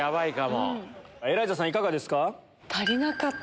いかがですか？